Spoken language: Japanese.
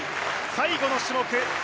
最後の種目。